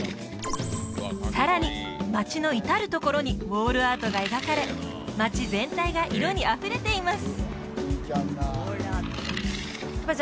さらに街の至るところにウオールアートが描かれ街全体が色にあふれています